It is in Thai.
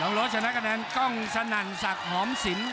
น้องโรธชนะการนั้นกล่องสะหนันศักรณ์หอมสิน